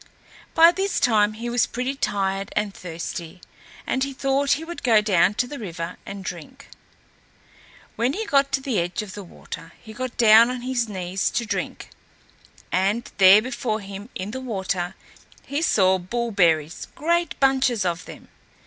By this time he was pretty tired and thirsty, and he thought he would go down to the river and drink. When he got to the edge of the water he got down on his knees to drink, and there before him in the water he saw bullberries, great bunches of them.